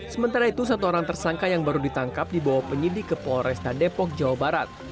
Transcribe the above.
sementara itu satu orang tersangka yang baru ditangkap dibawa penyidik ke polresta depok jawa barat